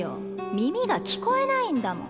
耳が聞こえないんだもん。